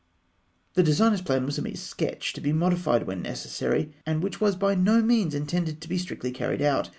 The designer's plan was a mere sketch, to be modified when necessary, and which was by no means intended to be strictly carried out.